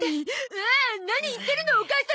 ああ何言ってるのお母様！